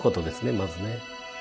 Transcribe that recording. まずね。